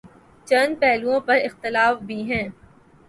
چند پہلوئوں پر اختلاف بھی ہے۔